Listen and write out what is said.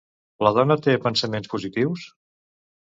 La dona té pensaments positius?